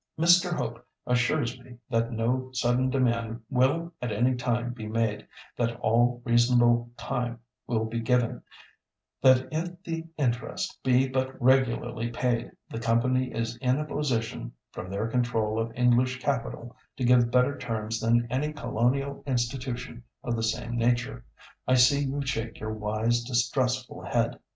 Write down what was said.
Mr. Hope assures me that no sudden demand will at any time be made, that all reasonable time will be given; that if the interest be but regularly paid, the Company is in a position, from their control of English capital, to give better terms than any colonial institution of the same nature. I see you shake your wise, distrustful head.